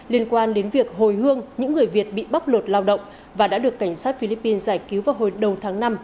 liên quan đến việc hồi hương những người việt bị bóc lột lao động và đã được cảnh sát philippines giải cứu vào hồi đầu tháng năm